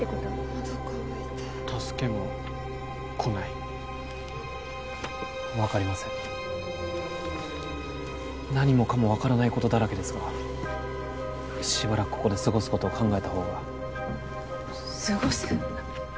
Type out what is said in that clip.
・のど渇いた助けも来ない分かりません何もかも分からないことだらけですがしばらくここですごすことを考えたほうがすごす？